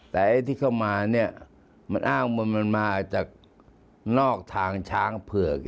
แต่ไอ้ที่เข้ามาเนี่ยมันอ้างว่ามันมาจากนอกทางช้างเผือก